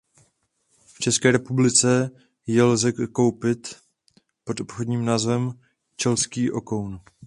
V České republice ji lze zakoupit pod obchodním názvem „chilský okoun“.